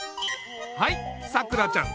はいさくらちゃん